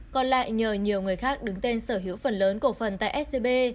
còn lại nhờ nhiều người khác đứng tên sở hữu phần lớn cổ phần tại scb